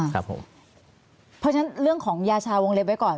เพราะฉะนั้นเรื่องของยาชาวงเล็บไว้ก่อน